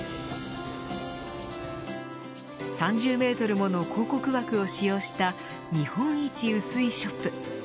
３０メートルもの広告枠を使用した日本一薄いショップ。